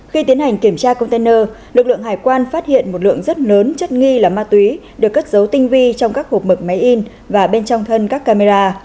khi tiến hành kiểm tra container lực lượng hải quan phát hiện một lượng rất lớn chất nghi là ma túy được cất dấu tinh vi trong các hộp mực máy in và bên trong thân các camera